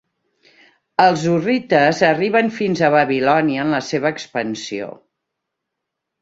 Els hurrites arriben fins a Babilònia en la seva expansió.